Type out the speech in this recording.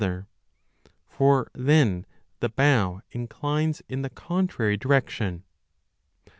CHAPTER 5 851* for then the bow inclines in the contrary direction.